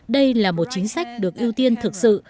đây là một chính sách được ưu tiên thực sự